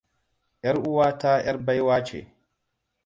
'Yar uwa ta 'yar baiwa ce!